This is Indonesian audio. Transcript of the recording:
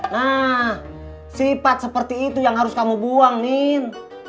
nah sifat seperti itu yang harus kamu buang nin